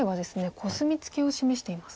コスミツケを示しています。